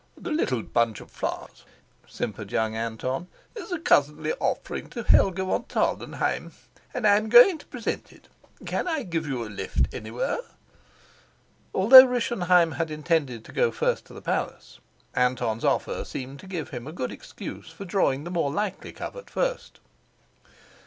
"The little bunch of flowers," simpered young Anton, "is a cousinly offering to Helga von Tarlenheim, and I'm going to present it. Can I give you a lift anywhere?"' Although Rischenheim had intended to go first to the palace, Anton's offer seemed to give him a good excuse for drawing the more likely covert first.